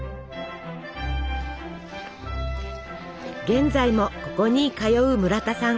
現在もここに通う村田さん。